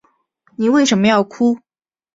妳为什么要哭